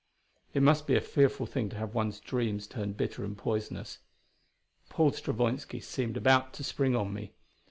It must be a fearful thing to have one's dreams turn bitter and poisonous. Paul Stravoinski seemed about to spring upon me.